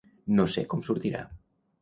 No sé com sortirà.